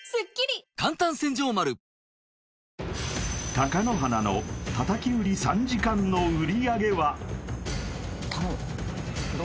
貴乃花の叩き売り３時間の売上は？